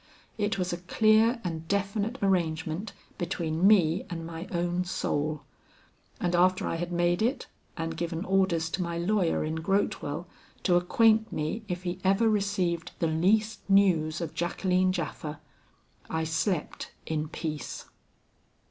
It was a clear and definite arrangement between me and my own soul; and after I had made it and given orders to my lawyer in Grotewell to acquaint me if he ever received the least news of Jacqueline Japha, I slept in peace.